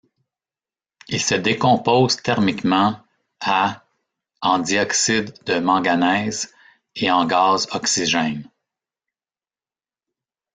Il se décompose thermiquement à en dioxyde de manganèse et en gaz oxygène.